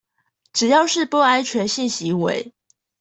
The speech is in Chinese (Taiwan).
只要是不安全性行為